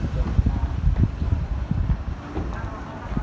ที่ฉันจัง